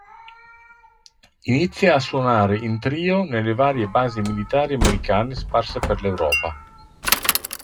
Inizia a suonare in trio nelle varie basi militari americane sparse per l'Europa.